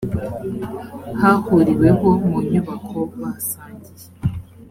hahuriweho mu nyubako basangiye